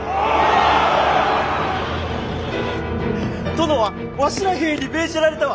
殿はわしら兵に命じられたわ。